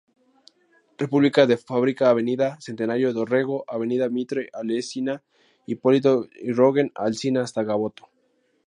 República de Francia, Avenida Centenario, Dorrego, Avenida Mitre, Alsina, Hipólito Yrigoyen, Alsina hasta Gaboto.